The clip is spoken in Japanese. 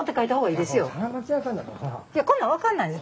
いやこんなん分かんないです。